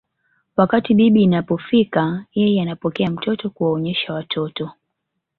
Wakati bibi inapofika yeye anapokea mtoto kuwaonyesha watoto